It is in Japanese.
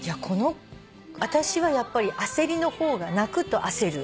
私はやっぱり焦りの方が泣くと焦る。